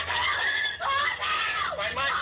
การกลิ่น